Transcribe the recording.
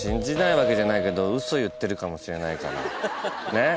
ねっ？